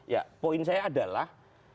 ya poin saya adalah